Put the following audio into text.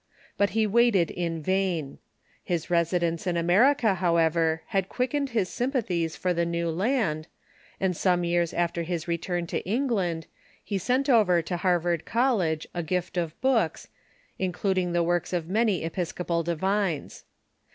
But he waited in vain. His residence in America, however, had quickened his sympathies for the new land, and some years after his return to England he sent over to Harvard College a gift of books, including the works of many Episcopal divines.